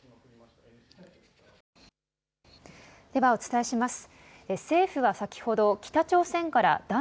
ではお伝えします。